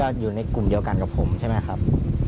คิดว่าอยู่ในกลุ่มเดียวกันกับผมใช่มั้ยครับ